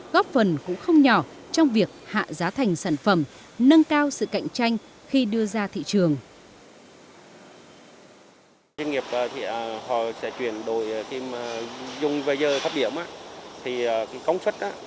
góp phần cũng không nhỏ trong việc hạ giá thành sản phẩm nâng cao sự cạnh tranh khi đưa ra thị trường